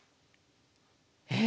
え！？